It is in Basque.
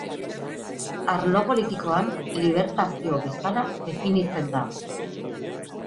Arlo politikoan, libertario bezala definitzen da.